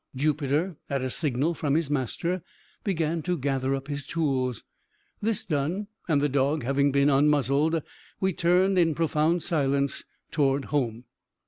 Jupiter, at a signal from his master, began to gather up his tools. This done, and the dog having been unmuzzled, we turned in profound silence toward home.